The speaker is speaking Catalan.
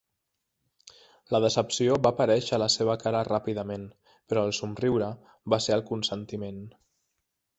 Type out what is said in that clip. La decepció va aparèixer a la seva cara ràpidament, però el somriure va ser el consentiment.